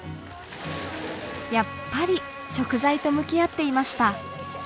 やっぱり食材と向き合っていました。